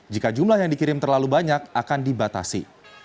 jika jumlah yang dikirim terlalu banyak akan dibatasi